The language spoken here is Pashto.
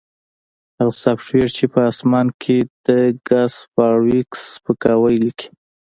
هغه سافټویر چې په اسمان کې د ګس فارویک سپکاوی لیکي